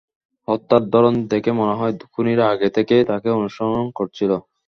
হত্যার ধরন দেখে মনে হয়, খুনিরা আগে থেকেই তাঁকে অনুসরণ করছিল।